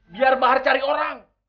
biar bahar cari orang